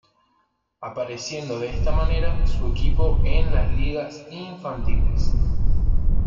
Apareciendo de esta manera su equipo en las ligas infantiles.